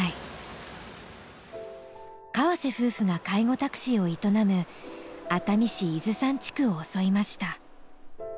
河瀬夫婦が介護タクシーを営む熱海市伊豆山地区を襲いました。